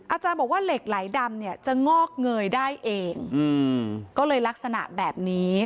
อาจารย์บอกว่าเหล็กไหลดำเนี่ยจะงอกเงยได้เองก็เลยลักษณะแบบนี้